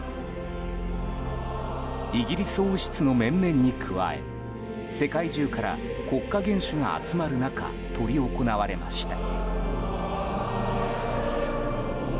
イギリス王室の面々に加え世界中から国家元首が集まる中執り行われました。